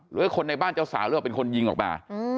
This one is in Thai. หรือคนในบ้านเจ้าสาวหรือเปล่าเป็นคนยิงออกมา